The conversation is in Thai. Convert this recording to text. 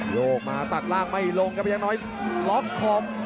โยกมาตัดล่างไม่ลงครับพยักษ์น้อยล็อกคอม